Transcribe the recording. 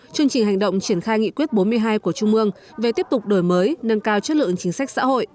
chương trình hành động triển khai nghị quyết bốn mươi hai của trung mương về tiếp tục đổi mới nâng cao chất lượng chính sách xã hội